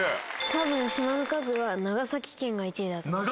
多分島の数は長崎県が１位だと思います。